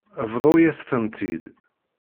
Bḍu-yas-tent-id.